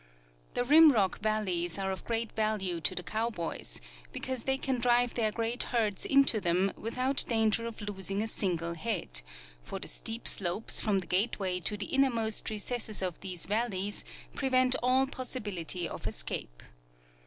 The rimrock valleys are of great value to the coAvboys, because they can drive their great herds into them Avithout dan ger of losing a single head ; for the steep slopes from the gate way to the innermost recesses of these valleys prevent all possi bility of escape.